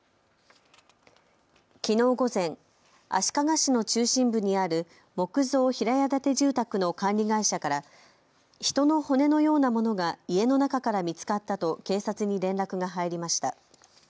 きのう午前、足利市の中心部にある木造平屋建て住宅の管理会社から、人の骨のようなものが家の中から見つかったと警察に連絡が入りました。